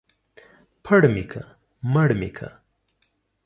پړ مې که ، مړ مې که.